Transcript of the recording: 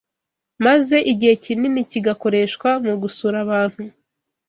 maze igihe kinini kigakoreshwa mu gusura abantu